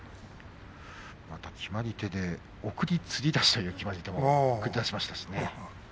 決まり手で送りつり出しという決まり手を繰り出しましたからね。